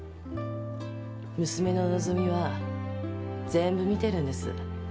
娘の和希は全部見てるんです。